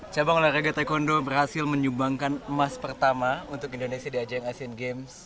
cabang olahraga taekwondo berhasil menyumbangkan emas pertama untuk indonesia di ajang asian games